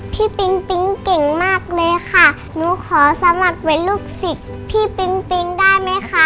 ปิ๊งปิ๊งเก่งมากเลยค่ะหนูขอสำหรับเป็นลูกศิษย์พี่ปิ๊งปิ๊งได้ไหมคะ